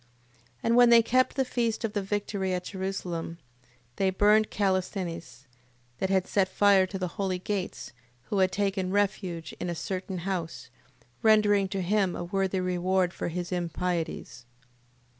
8:33. And when they kept the feast of the victory at Jerusalem, they burnt Callisthenes, that had set fire to the holy gates, who had taken refuge in a certain house, rendering to him a worthy reward for his impieties: 8:34.